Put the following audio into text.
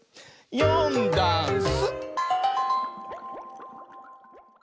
「よんだんす」